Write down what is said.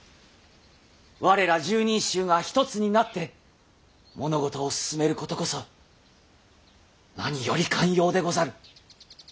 我ら十人衆が一つになって物事を進めることこそ何より肝要でござる。